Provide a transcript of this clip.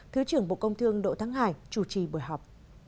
thứ trưởng bộ công thương đỗ thắng hải chủ trì buổi họp